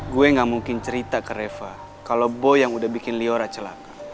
gue gak mungkin cerita ke reva kalau boy yang udah bikin liora celaka